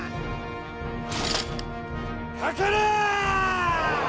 かかれ！